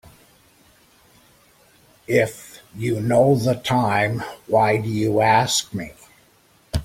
If you know the time why do you ask me?